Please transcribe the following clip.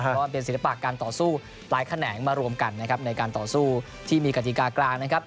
เพราะว่าเป็นศิลปะการต่อสู้หลายแขนงมารวมกันนะครับในการต่อสู้ที่มีกฎิกากลางนะครับ